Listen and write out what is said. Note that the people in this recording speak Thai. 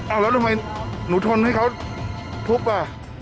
เอาแล้วทำไมหนูทนให้เขาทุบอ่ะ